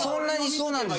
そうなんです。